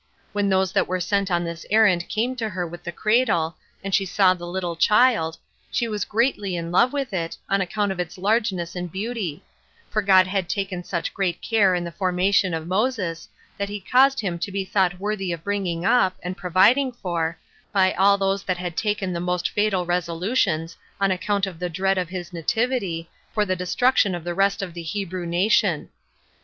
When those that were sent on this errand came to her with the cradle, and she saw the little child, she was greatly in love with it, on account of its largeness and beauty; for God had taken such great care in the formation of Moses, that he caused him to be thought worthy of bringing up, and providing for, by all those that had taken the most fatal resolutions, on account of the dread of his nativity, for the destruction of the rest of the Hebrew nation.